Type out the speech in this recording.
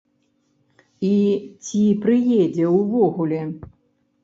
І ці прыедзе ўвогуле.